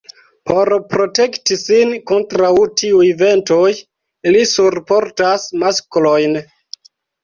Por protekti sin kontraŭ tiuj ventoj, ili surportas maskojn.